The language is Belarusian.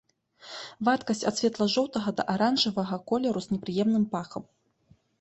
Вадкасць ад светла-жоўтага да аранжавага колеру з непрыемным пахам.